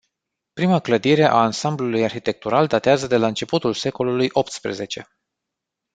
Prima clădire a ansambului arhitectural datează de la începutul secolului optsprezece.